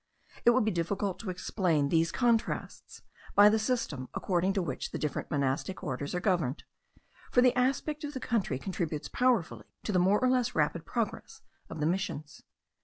It would be difficult to explain these contrasts by the system according to which the different monastic orders are governed; for the aspect of the country contributes powerfully to the more or less rapid progress of the Missions.